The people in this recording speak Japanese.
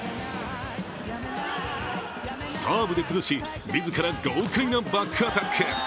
サーブで崩し、自ら豪快なバックアタック。